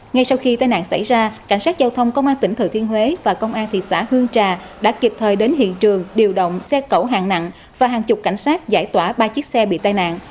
ngay sau khi tai nạn xảy ra cảnh sát giao thông công an tỉnh thừa thiên huế và công an thị xã hương trà đã kịp thời đến hiện trường điều động xe cẩu hàng nặng và hàng chục cảnh sát giải tỏa ba chiếc xe bị tai nạn